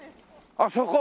ああそこ？